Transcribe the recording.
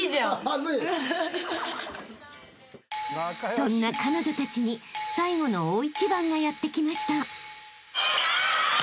［そんな彼女たちに最後の大一番がやって来ました］